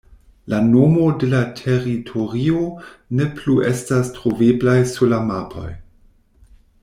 La nomo de la teritorio ne plu estas troveblaj sur la mapoj.